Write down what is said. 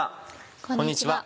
こんにちは。